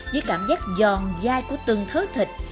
với cảm giác giòn dai của từng thớ thịt